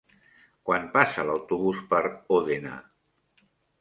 Quan passa l'autobús per Òdena?